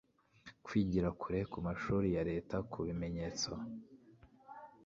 kwigira kure ku mashuri ya Leta ku bimenyetso